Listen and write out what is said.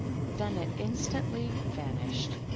Then it instantly vanished.